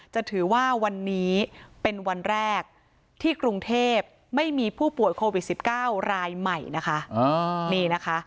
จะถือว่าวันนี้เป็นวันแรกที่กรุงเทพไม่มีผู้ป่วยโควิด๑๙รายใหม่นะคะนี่นะคะ